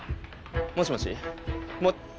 もしもし？